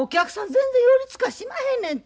全然寄りつかしまへんねんて。